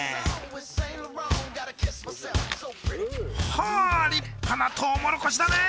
はあ立派なトウモロコシだね。